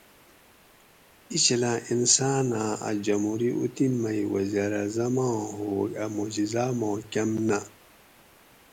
اِچھلاں انساناں اۤ جمہوری اوطِن مئ وزیراعظم آں ہوگ اۤ معجزاۤ ما کم نہ